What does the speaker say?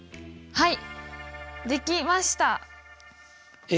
はい。